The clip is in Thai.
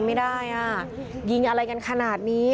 พวกมันต้องกินกันพี่